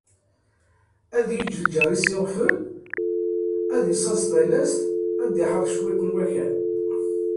Ad yeğğ lğar-is ad iɣfel, ad issaẓ talast ad d-iḥerr cwiṭ n wakal.